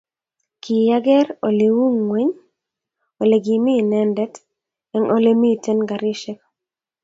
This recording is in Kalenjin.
kiyageer oleiu ngweny olegimi inendet eng olemiten karishek